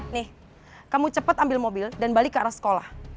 nih kamu cepat ambil mobil dan balik ke arah sekolah